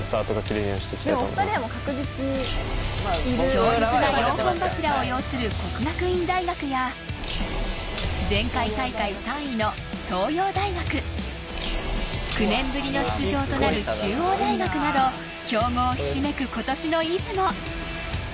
強力な４本柱を擁する國學院大學や前回大会３位の東洋大学９年ぶりの出場となる中央大学など強豪ひしめく今年の出雲。